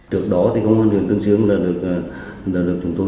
trước đó thì công an huyện tương dương đã được chúng tôi